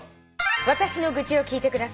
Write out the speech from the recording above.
「私の愚痴を聞いてください」